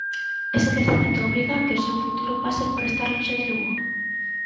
Ese crecemento obriga a que o seu futuro pase por estar lonxe de Lugo?